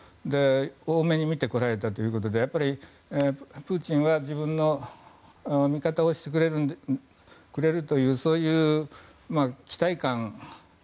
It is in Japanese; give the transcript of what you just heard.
大目に見てこられたということでプーチンは自分の味方をしてくれるというそういう期待感